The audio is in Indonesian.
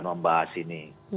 kita akan membahas ini